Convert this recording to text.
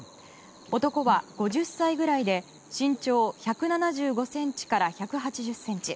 男は５０歳ぐらいで身長１７５ｃｍから１８０ｃｍ。